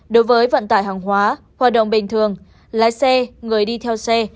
đối với vận tải hàng hóa hoạt động bình thường lái xe người đi theo xe